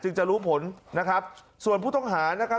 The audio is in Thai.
จะรู้ผลนะครับส่วนผู้ต้องหานะครับ